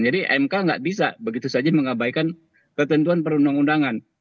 jadi mk gak bisa begitu saja mengabaikan ketentuan perundang undangan